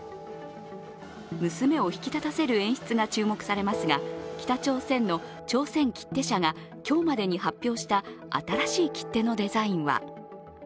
娘を引き立たせる演出が注目されますが、北朝鮮の朝鮮切手社が今日までに発表した新しい切手のデザインは。